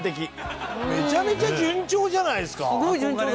めちゃめちゃ順調じゃないですか。